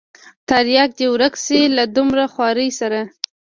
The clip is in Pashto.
ترياک دې ورک سي له دومره خوارۍ سره.